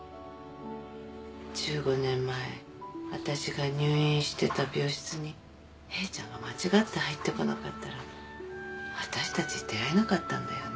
１５年前私が入院してた病室にヘイちゃんが間違って入ってこなかったら私たち出会えなかったんだよね。